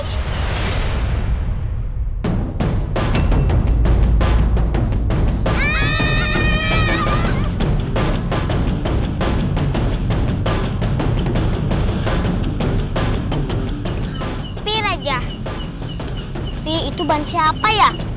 tapi raja tapi itu ban siapa ya